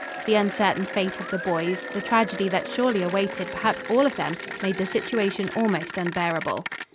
The uncertain fate of the boys, the tragedy that surely awaited perhaps all of them made the situation almost unbearable.